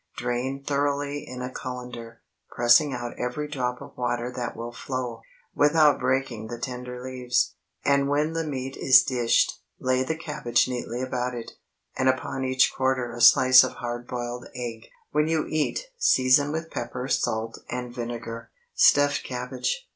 Drain thoroughly in a cullender, pressing out every drop of water that will flow, without breaking the tender leaves; and when the meat is dished, lay the cabbage neatly about it, and upon each quarter a slice of hard boiled egg. When you eat, season with pepper, salt, and vinegar. STUFFED CABBAGE.